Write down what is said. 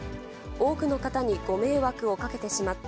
多くの方にご迷惑をかけてしまった。